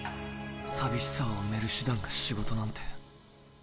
寂しさを埋める手段が仕事なんて